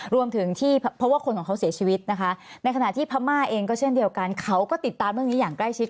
รวมถึงที่เพราะว่าคนของเขาเสียชีวิตนะคะในขณะที่พม่าเองก็เช่นเดียวกันเขาก็ติดตามเรื่องนี้อย่างใกล้ชิด